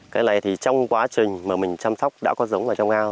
cái này thì trong quá trình mà mình chăm sóc đã có giống vào trong ao